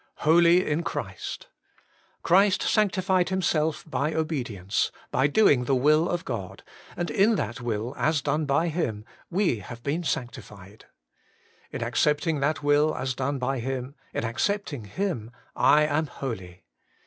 5. Holy In Christ. Christ sanctified Himself by obedience, by doing the will of God, and in that will, as done by Him, we have been sanctified. In accepting that will as done by Him, in accepting Him, I am holy.